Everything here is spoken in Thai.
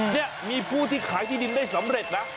นี่มีผู้ที่ขายที่ดินได้สำเร็จนะ